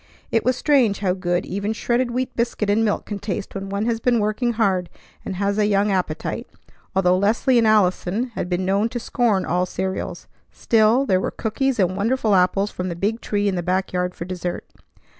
It was strange how good even shredded wheat biscuit and milk can taste when one has been working hard and has a young appetite, although Leslie and Allison had been known to scorn all cereals. Still, there were cookies and wonderful apples from the big tree in the back yard for dessert.